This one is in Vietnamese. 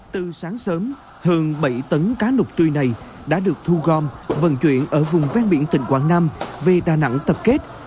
từ sáng sớm hơn bảy tấn cá nục tươi này đã được thu gom vận chuyển ở vùng ven biển tỉnh quảng nam về đà nẵng tập kết